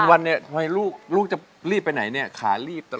วันเนี่ยทำไมลูกจะรีบไปไหนเนี่ยขาลีบตลอด